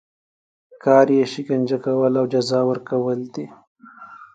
کار یې شکنجه کول او جزا ورکول دي.